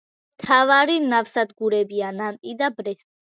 მთავარი ნავსადგურებია ნანტი და ბრესტი.